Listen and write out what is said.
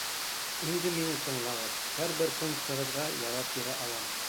— Инде мине тыңлағыҙ, һәр бер пунктығыҙға яуап бирә алам.